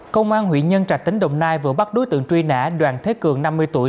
công an huyện nhân trạch tỉnh đồng nai vừa bắt đối tượng truy nã đoàn thế cường năm mươi tuổi